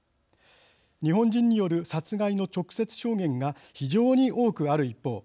日本人による殺害の直接証言が非常に多くある一方